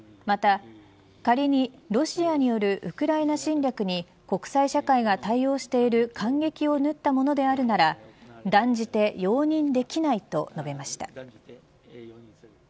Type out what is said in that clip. また仮にロシアによるウクライナ侵略に国際社会が対応している間隙を縫ったものであるなら断じて容認できないと述べました。